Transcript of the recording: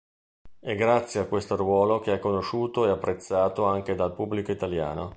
È grazie a questo ruolo che è conosciuto e apprezzato anche dal pubblico italiano.